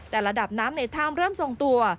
แต่ระดับน้ำในถ้ำเริ่มทรงตัว